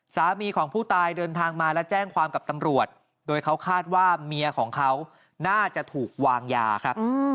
สามีของผู้ตายเดินทางมาและแจ้งความกับตำรวจโดยเขาคาดว่าเมียของเขาน่าจะถูกวางยาครับ